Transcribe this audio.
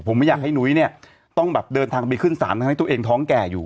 ผมไม่อยากให้นุ้ยเนี่ยต้องแบบเดินทางไปขึ้นศาลทำให้ตัวเองท้องแก่อยู่